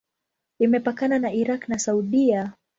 Imepakana na Irak na Saudia.